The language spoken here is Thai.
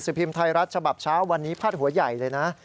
พิมพ์ไทยรัฐฉบับเช้าวันนี้พาดหัวใหญ่เลยนะ